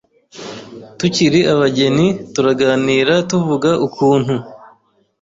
tukiri abageni turaganira tuvuga ukuntu